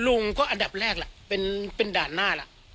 ลุงก็อันดับแรกล่ะเป็นด่านหน้าล่ะ